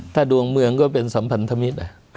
ถ้าดวงเมืองก็เป็นสัมพันธมิตร